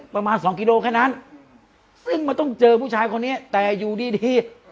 ประมาณสองกิโลแค่นั้นซึ่งมันต้องเจอผู้ชายคนนี้แต่อยู่ดีดี